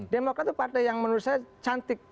demokrat itu partai yang menurut saya cantik